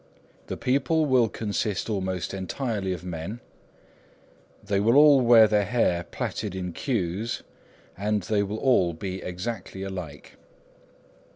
The people will consist almost entirely of men; they will all wear their hair plaited in queues; and they will all be exactly alike.